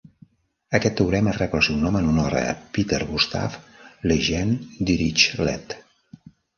Aquest teorema rep el seu nom en honor a Peter Gustav Lejeune Dirichlet.